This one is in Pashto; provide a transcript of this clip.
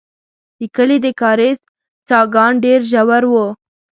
د کلي د کاریز څاګان ډېر ژور وو.